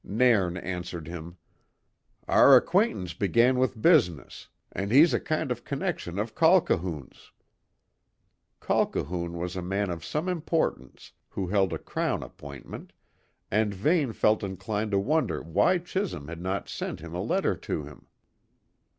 Nairn answered him. "Our acquaintance began with business, and he's a kind of connection of Colquhoun's." Colquhoun was a man of some importance, who held a Crown appointment, and Vane felt inclined to wonder why Chisholm had not sent him a letter to him.